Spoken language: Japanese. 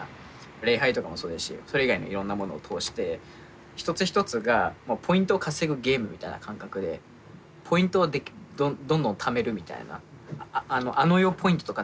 礼拝とかもそうですしそれ以外のいろんなものを通して一つ一つがポイントを稼ぐゲームみたいな感覚でポイントをどんどんためるみたいな。